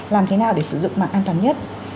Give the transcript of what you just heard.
làm thế nào để sử dụng mạng an toàn nhất